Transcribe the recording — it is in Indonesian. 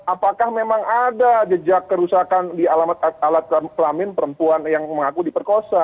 apakah memang ada jejak kerusakan di alat kelamin perempuan yang mengaku diperkosa